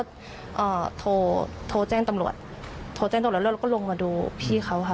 ก็โทรโทรแจ้งตำรวจโทรแจ้งตำรวจแล้วก็ลงมาดูพี่เขาค่ะ